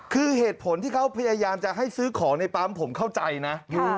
คือเหตุผลที่เขาพยายามจะให้ซื้อของในปั๊มผมเข้าใจนะ